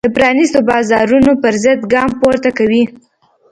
د پرانیستو بازارونو پرضد ګام پورته کوي.